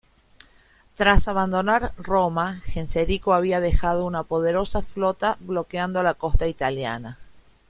Tras abandonar Roma, Genserico había dejado una poderosa flota bloqueando la costa italiana.